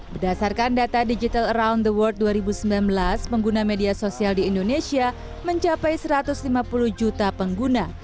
berdasarkan data digital around the world dua ribu sembilan belas pengguna media sosial di indonesia mencapai satu ratus lima puluh juta pengguna